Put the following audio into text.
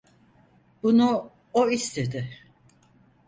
Bunu o istedi.